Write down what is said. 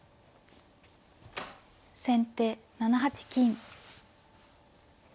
先手７八金。